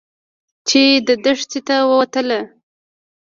چې دښتې ته وتله.